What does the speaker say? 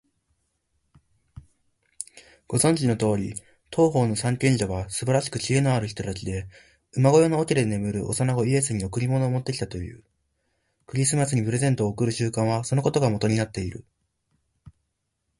ご存じのとおり、東方の三賢者はすばらしく知恵のある人たちで、馬小屋の桶で眠る幼子イエスに贈り物を持ってきたという。クリスマスにプレゼントを贈る習慣は、そのことがもとになっている。